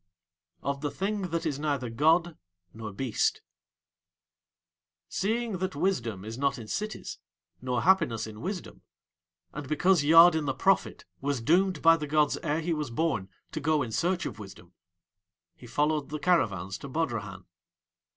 OF THE THING THAT IS NEITHER GOD NOR BEAST Seeing that wisdom is not in cities nor happiness in wisdom, and because Yadin the prophet was doomed by the gods ere he was born to go in search of wisdom, he followed the caravans to Bodrahan.